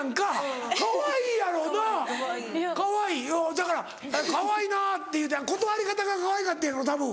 だからかわいいなって断り方がかわいかったんやろたぶん。